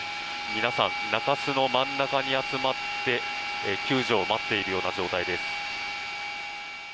皆さん、中州の真ん中に集まって救助を待っているような状態です。